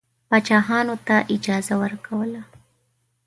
پاچاهانو ته اجازه ورکوله.